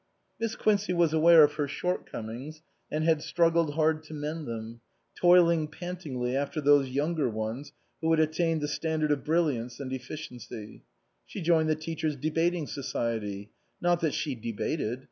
Miss Quincey was aware of her shortcomings and had struggled hard to mend them, toiling pantingly after those younger ones who had attained the standard of brilliance and efficiency. She joined the Teachers' Debating Society. Not that she debated.